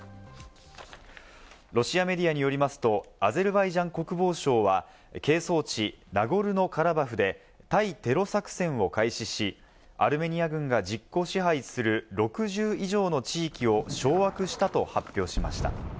ロシアメディアによりますと、アゼルバイジャン国防省は係争地ナゴルノカラバフで対テロ作戦を開始し、アルメニア軍が実効支配する６０以上の地域を掌握したと発表しました。